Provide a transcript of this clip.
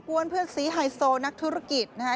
วนเพื่อนสีไฮโซนักธุรกิจนะฮะ